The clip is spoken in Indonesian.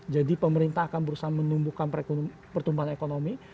pemerintah akan berusaha menumbuhkan pertumbuhan ekonomi